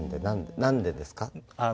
何でですか？